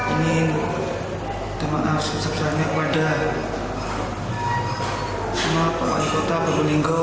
ingin dimaafkan sebesarnya kepada semua pemakai kota pabu ninggo